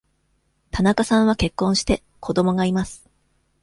田中さんは結婚して、子供がいます。